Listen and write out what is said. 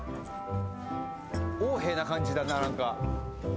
横柄な感じだな何か」